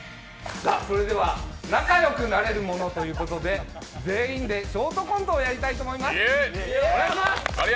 仲良くなれるものということで全員でショートコントをやりたいと思います。